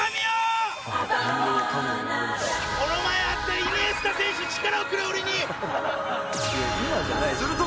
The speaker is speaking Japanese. この前会ったイニエスタ選手力をくれ俺に！